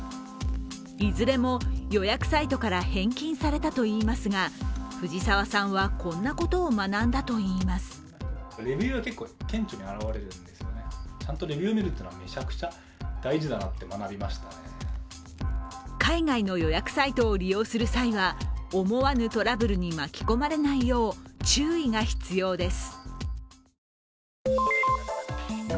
いずれも予約サイトから返金されたといいますが、ふじさわさんはこんなことを学んだといいます海外の予約サイトを利用する際は思わぬトラブルに巻き込まれないよう注意が必要です。